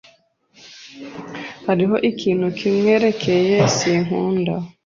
Hariho ikintu kimwerekeye sinkunda.